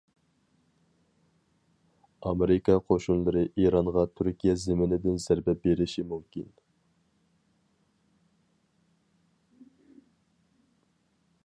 ئامېرىكا قوشۇنلىرى ئىرانغا تۈركىيە زېمىنىدىن زەربە بېرىشى مۇمكىن.